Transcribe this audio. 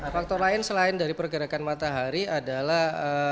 faktor lain selain dari pergerakan matahari adalah